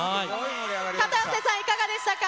片寄さん、いかがでしたか。